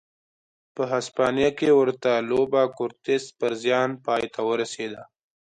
په هسپانیا کې ورته لوبه کورتس پر زیان پای ته ورسېده.